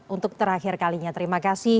untuk terakhir kalinya terima kasih